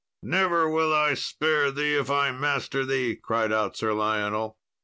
"Never will I spare thee if I master thee," cried out Sir Lionel.